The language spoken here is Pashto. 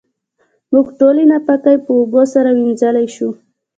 موږ ټولې ناپاکۍ په اوبو سره وېنځلی شو.